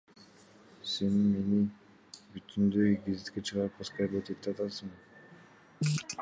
Сен мени бүтүндөй гезитке чыгарып оскорблять этип атасың, блядь.